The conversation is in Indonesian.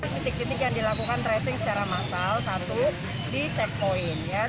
titik titik yang dilakukan tracing secara massal satu di checkpoint